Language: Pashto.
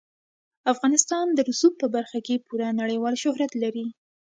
افغانستان د رسوب په برخه کې پوره نړیوال شهرت لري.